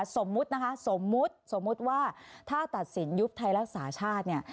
สมมุตินะคะสมมุติสมมุติว่าถ้าตัดสินยุบไทยรักษาชาติเนี่ย